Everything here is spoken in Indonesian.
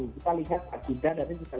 kita lihat adibah dari